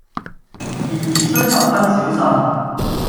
然而須十分小心。